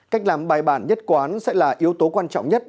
cách làm bài bản nhất quán sẽ là yếu tố quan trọng nhất